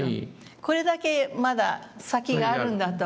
「これだけまだ先があるんだ」と。